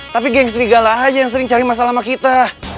tapi geng serigala aja yang sering cari masalah sama kita